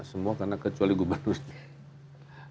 semua kena kecuali gubernurnya